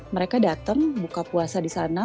mereka datang buka puasa di sana